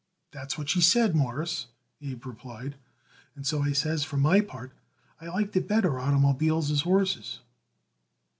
"That's what she said, Mawruss," Abe replied; "and so I says for my part, I liked it better oitermobiles as horses."